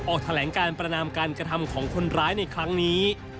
ออกแถลงการประนามการกระทำของคนร้ายในครั้งนี้